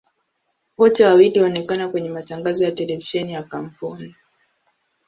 Wote wawili huonekana kwenye matangazo ya televisheni ya kampuni.